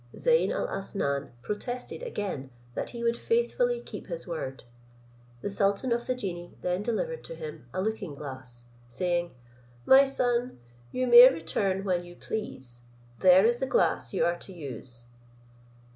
Zeyn Alasnam protested again that he would faithfully keep his word. The sultan of the genii then delivered to him a looking glass, saying, "My son, you may return when you please, there is the glass you are to use."